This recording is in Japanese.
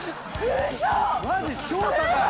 マジ超高い。